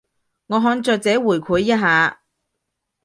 我向作者回饋一下